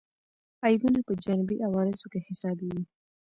عیبونه په جانبي عوارضو کې حسابېږي.